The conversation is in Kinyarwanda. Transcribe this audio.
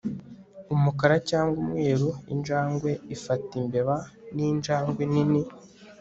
Umukara cyangwa umweru injangwe ifata imbeba ninjangwe nini